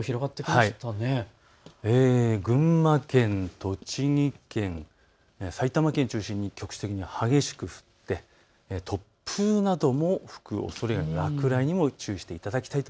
群馬県、栃木県、埼玉県中心に局地的に激しく降って突風なども吹くおそれ、落雷にも注意していただきたい。